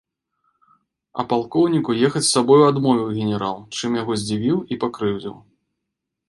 А палкоўніку ехаць з сабою адмовіў генерал, чым яго здзівіў і пакрыўдзіў.